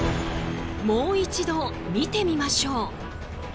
もう一度見てみましょう。